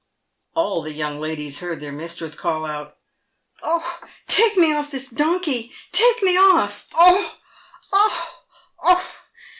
All the young ladies heard their mistress call out, " Oh, take me off this donkey! take me off! oh, oh, oh!"